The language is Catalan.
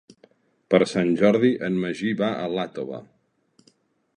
Per Sant Jordi en Magí va a Iàtova.